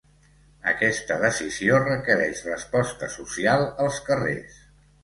Aquesta decisió requereix resposta social als carrers.